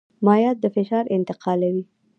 مایعات د فشار انتقال کوي.